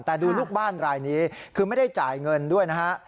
แต่ดูลูกบ้านรายนี้คือไม่ได้จ่ายเงินด้วยนะฮะ